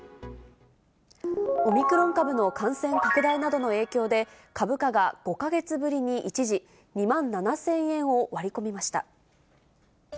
オミクロン株の感染拡大などの影響で、株価が５か月ぶりに一時、２万７０００円を割り込みました。